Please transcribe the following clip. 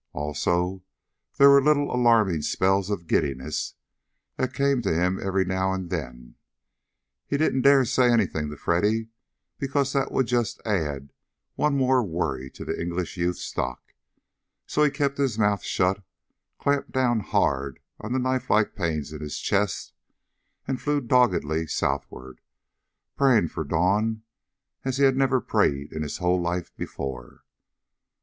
Also, there were little alarming spells of giddiness that came to him every now and then. He didn't dare say anything to Freddy, because that would add just one more worry to the English youth's stock. So he kept his mouth shut, clamped down hard on the knife like pains in his chest, and flew doggedly southward, praying for dawn as he had never prayed in his whole life before.